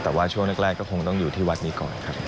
แต่ว่าช่วงแรกก็คงต้องอยู่ที่วัดนี้ก่อนครับ